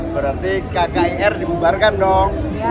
berarti kkir dibubarkan dong